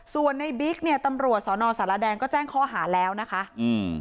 ส่วนในบิ๊กเนี่ยตำรวจสอนอสารแดงก็แจ้งข้อหาแล้วนะคะอืม